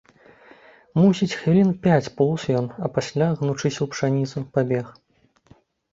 Мусіць, хвілін пяць поўз ён, а пасля, гнучыся ў пшаніцу, пабег.